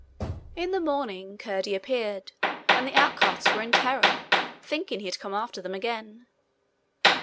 In the morning Curdie appeared, and the outcasts were in terror, thinking he had come after them again.